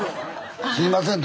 すいません。